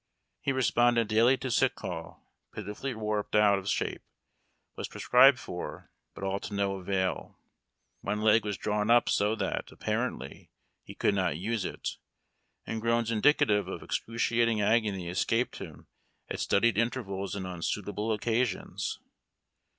He responded daily to sick call, pitifully warped out of shape, was prescribed for, but all to no avail. One leg was drawn up so that, apparently, he could not use it, and groans in dicative of excruciating agony escaped him at studied intervals and on suitable occasions.